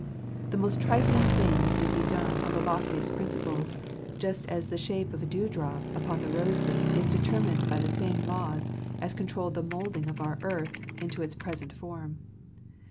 The most trifling things would be done on the loftiest principles, just as the shape of a dew drop upon a rose leaf is determined by the same laws as controlled the moulding of our earth into its present form.